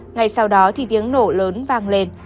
ngày sau đó thì tiếng nổ lớn vang lên